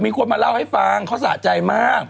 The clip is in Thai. มีคนมาเล่าให้ฟังเขาสะใจมาก